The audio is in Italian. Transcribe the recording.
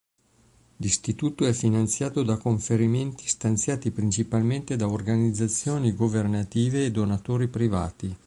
L'istituto è finanziato da conferimenti stanziati principalmente da organizzazioni governative e donatori privati.